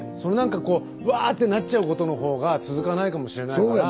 こううわってなっちゃうことの方が続かないかもしれないから。